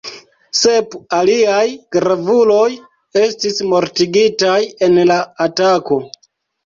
Sep aliaj gravuloj estis mortigitaj en la atako.